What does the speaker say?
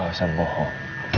gak usah bohong